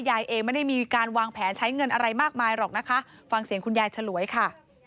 ยายเองไม่ได้มีการวางแผนใช้เงินอะไรมากมายหรอกนะคะฟังเสียงคุณยายฉลวยค่ะ